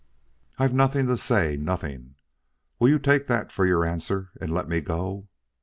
"I've nothing to say nothing. Will you take that for your answer and let me go?"